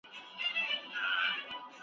لوستې نجونې پرېکړې درناوی کوي.